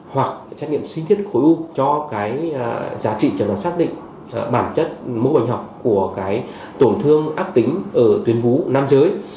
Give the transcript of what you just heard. hoặc xét nghiệm sinh thiết khối u cho cái giá trị chẳng đoán xác định bản chất mũ bệnh học của cái tổn thương ác tính ở tuyên vú nam giới